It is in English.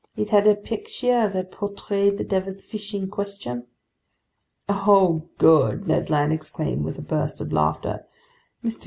It had a picture that portrayed the devilfish in question." "Oh good!" Ned Land exclaimed with a burst of laughter. "Mr.